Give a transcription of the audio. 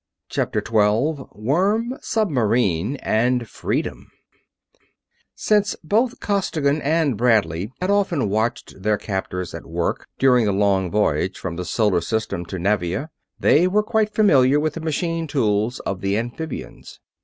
CHAPTER 12 WORM, SUBMARINE, AND FREEDOM Since both Costigan and Bradley had often watched their captors at work during the long voyage from the Solar System to Nevia, they were quite familiar with the machine tools of the amphibians.